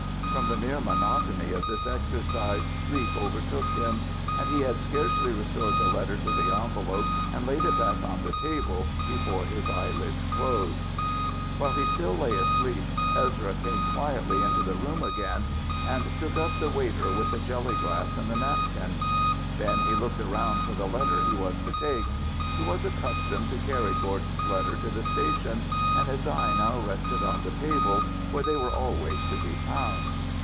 From the mere monotony of this exercise sleep overtook him, and he had scarcely restored the letter to the envelope and laid it back on the table before his eyelids closed. While he still lay asleep, Ezra came quietly into the room again, and took up the waiter with the jelly glass and the napkin. Then he looked around for the letter that he was to take. He was accustomed to carry Gordon's letters to the station, and his eye now rested on the table where they were always to be found.